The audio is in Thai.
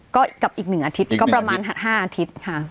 ก็กับอีก๑อาทิตย์ก็ประมาณหัด๕อาทิตย์ค่ะ